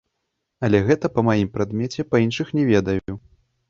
Але гэта па маім прадмеце, па іншых не ведаю.